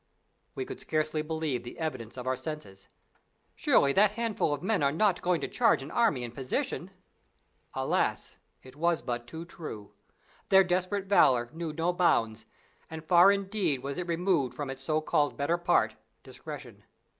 We could scarcely believe the evidence of our senses. Surely that handful of men are not going to charge an army in position? Alas! it was but too true. Their desperate valour knew no bounds, and far indeed was it removed from its so called better part discretion.